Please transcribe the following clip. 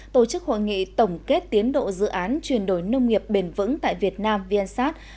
tổ chức hội nghị tổng kết tiến độ dự án chuyển đổi nông nghiệp bền vững tại việt nam vnsat